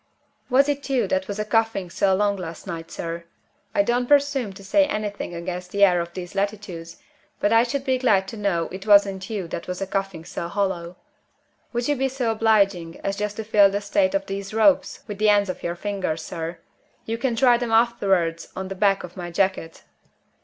Was it you that was a coughing so long last night, sir? I don't presume to say anything against the air of these latitudes; but I should be glad to know it wasn't you that was a coughing so hollow. Would you be so obliging as just to feel the state of these ropes with the ends of your fingers, sir? You can dry them afterward on the back of my jacket."